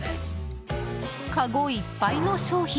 かごいっぱいの商品